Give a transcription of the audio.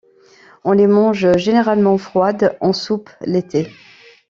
On les mange généralement froides en soupe l'été.